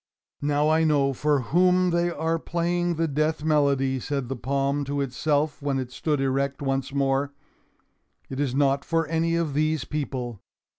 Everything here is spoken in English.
"Now I know for whom they are playing the death melody," said the palm to itself when it stood erect once more. "It is not for any of these people."